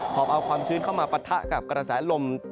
อบเอาความชื้นเข้ามาปะทะกับกระแสลม